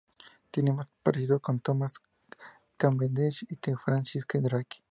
Tiene más parecido con Thomas Cavendish que con Francis Drake.